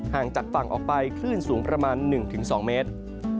ห่างจากฝั่งออกไปคลื่นสูงประมาณ๑๒เมตร